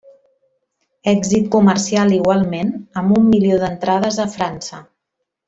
Èxit comercial igualment amb un milió d'entrades a França.